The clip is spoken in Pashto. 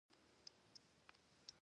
پوځیان وژل شوي او ټپیان شوي دي.